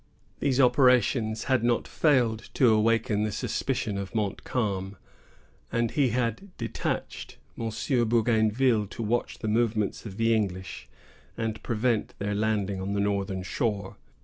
These operations had not failed to awaken the suspicions of Montcalm; and he had detached M. Bougainville to watch the movements of the English, and prevent their landing on the northern shore.